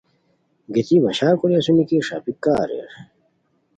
گیتی بشار کوری اسونی کی ݰاپیک کا اریر